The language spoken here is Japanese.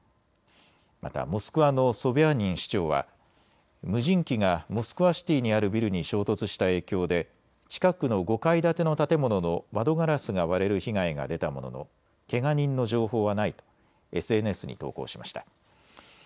また、モスクワのソビャーニン市長は無人機がモスクワシティにあるビルに衝突した影響で近くの５階建ての建物の窓ガラスが割れる被害が出たもののけが人の情報はないとＳＮＳに投稿しました。